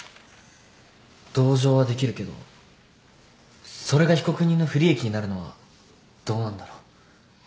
同情はできるけどそれが被告人の不利益になるのはどうなんだろう。